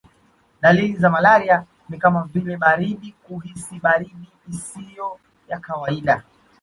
Dalili za malaria ni kama vile baridi kuhisi baridi isiyo ya kawaida